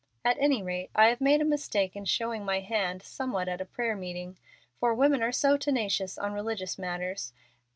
At any rate I have made a mistake in showing my hand somewhat at a prayer meeting, for women are so tenacious on religious matters.